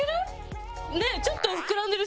ちょっと膨らんでるし。